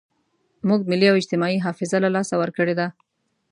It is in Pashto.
موږ ملي او اجتماعي حافظه له لاسه ورکړې ده.